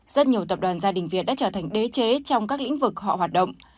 rất nhiều tập đoàn gia đình việt đã trở thành đế chế trong các lĩnh vực họ hoạt động